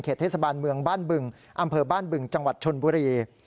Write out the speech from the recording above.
เทศบาลเมืองบ้านบึงอำเภอบ้านบึงจังหวัดชนบุรี